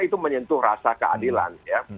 itu menyentuh rasa keadilan ya